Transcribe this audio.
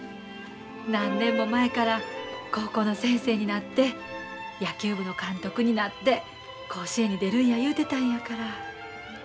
何年も前から高校の先生になって野球部の監督になって甲子園に出るんや言うてたんやから。